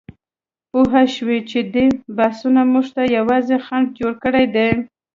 پوهه شو چې دې بحثونو موږ ته یوازې خنډ جوړ کړی دی.